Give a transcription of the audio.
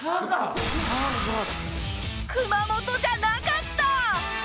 熊本じゃなかった！